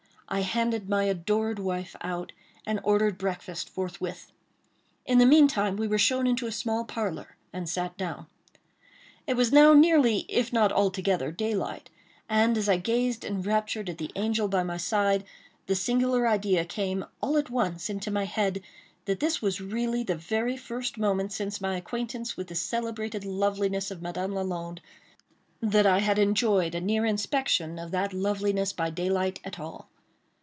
I handed my adored wife out, and ordered breakfast forthwith. In the meantime we were shown into a small parlor, and sat down. It was now nearly if not altogether daylight; and, as I gazed, enraptured, at the angel by my side, the singular idea came, all at once, into my head, that this was really the very first moment since my acquaintance with the celebrated loveliness of Madame Lalande, that I had enjoyed a near inspection of that loveliness by daylight at all.